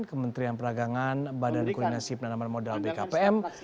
kementerian perdagangan badan koordinasi penanaman modal bkpm